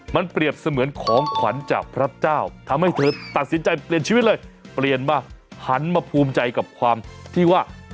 มันเปรียบเสมือนของขวัญจากพระเจ้าทำให้เธอตัดสินใจเปลี่ยนชีวิตเลยเปลี่ยนมาหันมาภูมิใจกับความที่ว่า